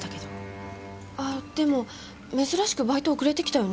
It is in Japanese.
あでも珍しくバイト遅れてきたよね？